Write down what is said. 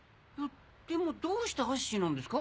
でもどうしてアッシーなんですか？